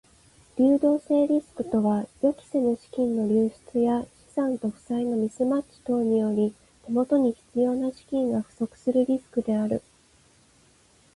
流動性リスクとは予期せぬ資金の流出や資産と負債のミスマッチ等により手元に必要な資金が不足するリスクである。